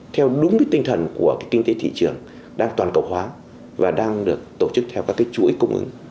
theo đúng cái tinh thần của cái kinh tế thị trường đang toàn cầu hóa và đang được tổ chức theo các cái chuỗi cung ứng